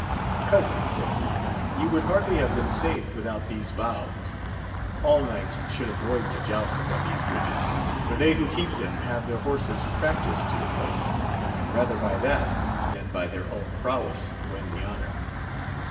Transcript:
Cousin, said he, you would hardly have , been saved without these boughs : All knights should avoid to joust upon these bridges, for they who keep them have their horses practised to the place, and rather by that, than by their own prowess, win the honour.